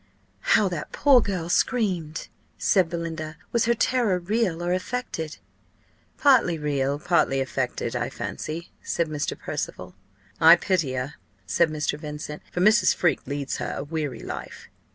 "How that poor girl screamed!" said Belinda. "Was her terror real or affected?" "Partly real, partly affected, I fancy," said Mr. Percival. "I pity her," said Mr. Vincent; "for Mrs. Freke leads her a weary life."